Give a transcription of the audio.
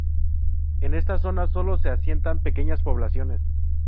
En esta zona sólo se asientan pequeñas poblaciones.